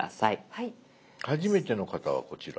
「はじめての方はこちら」。